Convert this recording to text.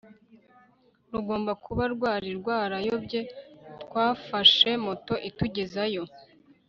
rugomba kuba rwari rwarayobyeTwafashe moto itugezayo